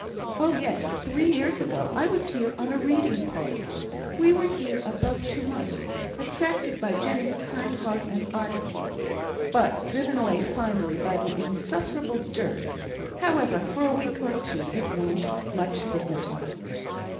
"Oh, yes; three years ago I was here on a reading party. We were here above two months, attracted by Jenny's kind heart and oddities; but driven away finally by the insufferable dirt. However, for a week or two it won't much signify."